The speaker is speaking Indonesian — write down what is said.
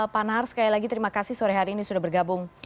pak nahar sekali lagi terima kasih sore hari ini sudah bergabung